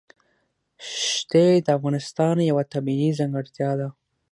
ښتې د افغانستان یوه طبیعي ځانګړتیا ده.